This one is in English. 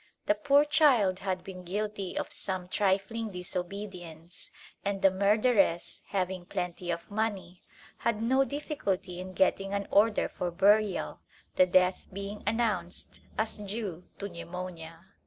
The poor child had been guilty of some trifling disobedience, and the murderess, having plenty of money, had no difficulty in getting an order for burial, the death being announced as due to pneumonia.